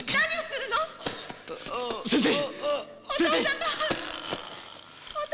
先生。